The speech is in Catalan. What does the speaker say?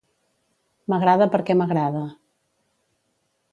M'agrada perquè m'agrada.